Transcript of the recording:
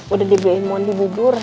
udah dibeliin wondi bu dura